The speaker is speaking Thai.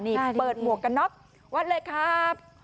นี่เปิดหมวกกันน็อกวัดเลยครับ